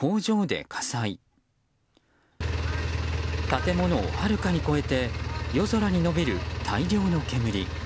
建物をはるかに超えて夜空に伸びる大量の煙。